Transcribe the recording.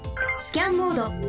スキャンモード